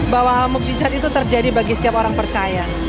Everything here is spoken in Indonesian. bahwa mukjizat itu terjadi bagi setiap orang percaya